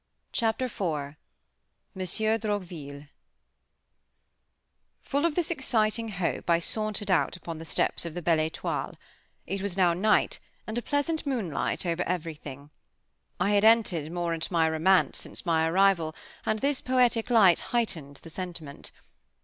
Chapter IV MONSIEUR DROQVILLE Full of this exciting hope I sauntered out upon the steps of the Belle Étoile. It was now night, and a pleasant moonlight over everything. I had entered more into my romance since my arrival, and this poetic light heightened the sentiment.